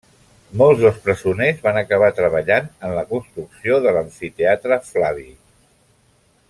Molts dels presoners van acabar treballant en la construcció de l'Amfiteatre Flavi.